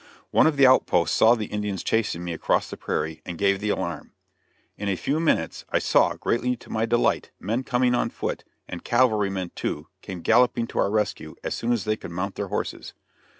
One of the outposts saw the Indians chasing me across the prairie, and gave the alarm. In a few minutes I saw, greatly to my delight, men coming on foot, and cavalrymen, too, came galloping to our rescue as soon as they could mount their horses.